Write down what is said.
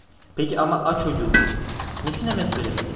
"Peki ama, a çocuğum" dedim, "niçin hemen söylemedin?